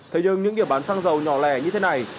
thế nhưng những điểm bán xăng dầu nhỏ lẻ như thế này